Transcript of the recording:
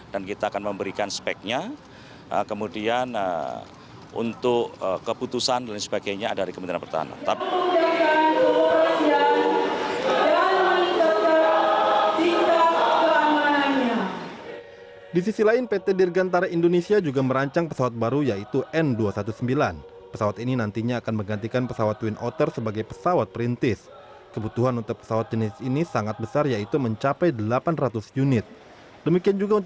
dan kita akan memberikan speknya kemudian untuk keputusan dan sebagainya dari kementerian pertahanan